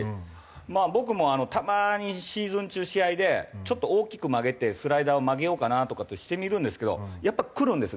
僕もたまにシーズン中試合でちょっと大きく曲げてスライダーを曲げようかなとかってしてみるんですけどやっぱりくるんです